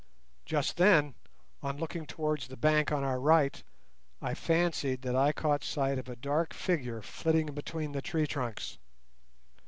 Just then, on looking towards the bank on our right, I fancied that I caught sight of a dark figure flitting between the tree trunks.